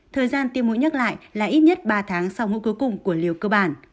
thời gian tiêm mũi nhắc lại là ít nhất ba tháng sau mũi cuối cùng của liều cơ bản